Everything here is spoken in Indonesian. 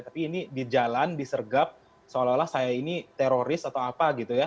tapi ini di jalan disergap seolah olah saya ini teroris atau apa gitu ya